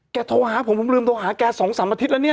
โทรหาผมผมลืมโทรหาแก๒๓อาทิตย์แล้วเนี่ย